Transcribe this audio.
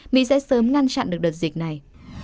mỹ sẽ sớm ngăn chặn được đợt dịch này